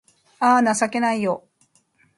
あぁ、情けないよ